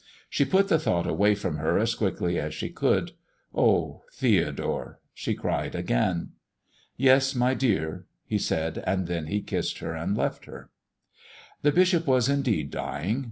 She put the thought away from her as quickly as she could. "Oh, Theodore!" she cried again. "Yes, my dear," he said. And then he kissed her and left her. The bishop was, indeed, dying.